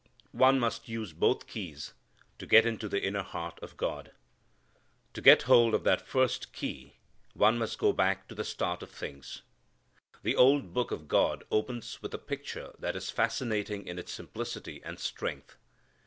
One must use both keys to get into the inner heart of God. To get hold of that first key one must go back to the start of things. The old Book of God opens with a picture that is fascinating in its simplicity and strength.